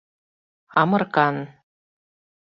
Амыркан